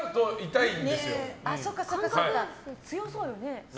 でも強そうよね。